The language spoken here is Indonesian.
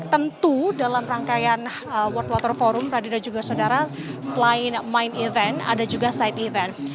tentu dalam rangkaian world water forum radi dan juga saudara selain main event ada juga side event